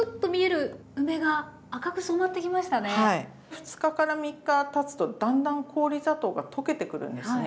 ２日から３日たつとだんだん氷砂糖が溶けてくるんですね。